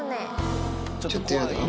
ちょっと嫌だ？